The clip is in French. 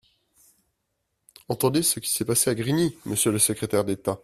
Entendez ce qui s’est passé à Grigny, monsieur le secrétaire d’État